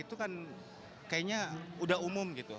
itu kan kayaknya udah umum gitu